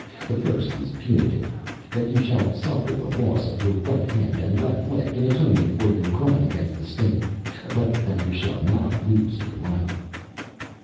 The first is punitive; that you shall suffer the loss of your right hand and left leg in atonement for your crime against the State; but that you shall not lose your life."